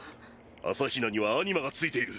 朝日奈にはアニマが付いている。